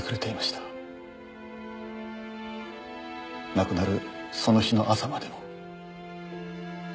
亡くなるその日の朝までも。